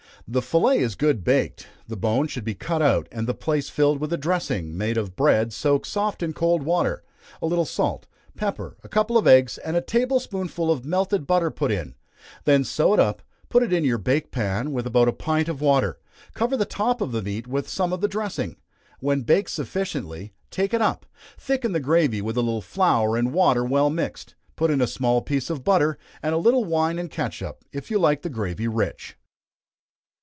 The fillet is good baked, the bone should be cut out, and the place filled with a dressing, made of bread soaked soft in cold water, a little salt, pepper, a couple of eggs, and a table spoonful of melted butter put in then sew it up, put it in your bake pan, with about a pint of water, cover the top of the meat with some of the dressing. When baked sufficiently, take it up, thicken the gravy with a little flour and water well mixed, put in a small piece of butter, and a little wine and catsup, if you like the gravy rich.